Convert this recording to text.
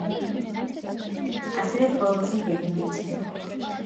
ასევე პრო-რუსული თეთრი არმია, ანტონ დენიკინის მეთაურობით.